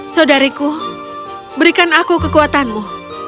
saudariku berikan aku kekuatanmu